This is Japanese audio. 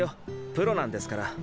プロなんですから。